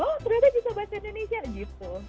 oh ternyata bisa bahasa indonesia gitu